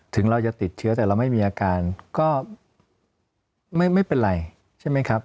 ถึงเราจะติดเชื้อแต่เราไม่มีอาการก็ไม่เป็นไรใช่ไหมครับ